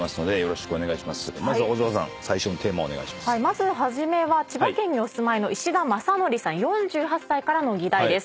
まず初めは千葉県にお住まいの石田正憲さん４８歳からの議題です。